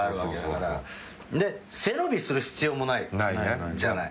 背伸びする必要もないじゃない。